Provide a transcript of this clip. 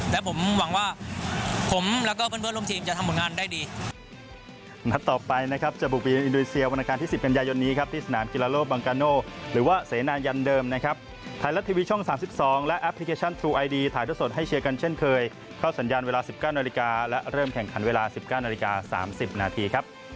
และผมหวังว่าผมแล้วก็เพื่อนร่วมทีมจะทำผลงานได้ดี